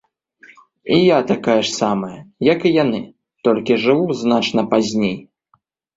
І я такая ж самая, як і яны, толькі жыву значна пазней.